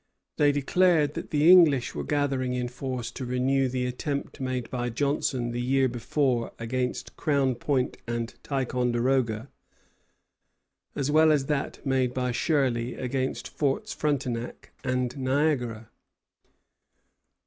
They declared that the English were gathering in force to renew the attempt made by Johnson the year before against Crown Point and Ticonderoga, as well as that made by Shirley against forts Frontenac and Niagara.